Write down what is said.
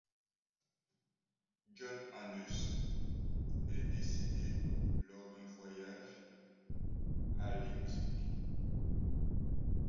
John Annus est décédé lors d'un voyage à Leipzig.